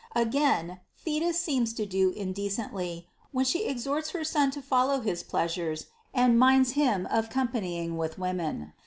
Again, Thetis seems to do indecently, when she exhorts her son to follow his pleasures and minds him of companying with women.